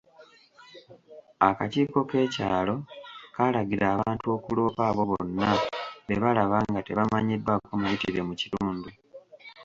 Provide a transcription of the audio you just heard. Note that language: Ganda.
Akakiiko k'ekyalo kaalagira abantu okuloopa abo bonna be balaba nga tebamanyiddwako mayitire mu kitundu.